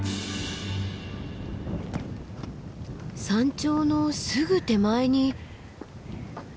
山頂のすぐ手前に。